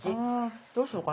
どうしようかな。